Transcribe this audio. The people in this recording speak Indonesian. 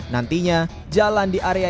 nantinya jalan di area